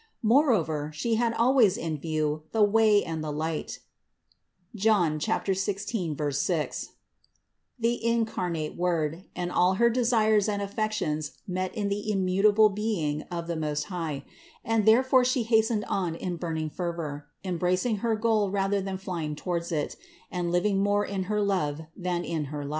Moreover She had always in view the way and the light (John 16, 6), the incarnate Word, and all her desires and affections met in the immutable being of the Most High ; and therefore She hastened on in burning fervor, embracing Her goal rather than flying towards it, and living more in her love than in her life.